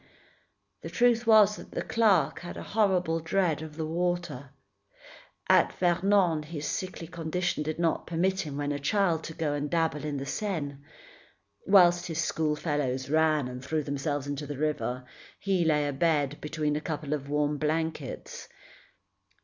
The truth was that the clerk had a horrible dread of the water. At Vernon, his sickly condition did not permit him, when a child, to go and dabble in the Seine. Whilst his schoolfellows ran and threw themselves into the river, he lay abed between a couple of warm blankets.